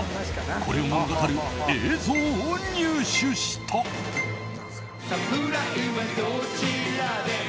これを物語る映像を入手した。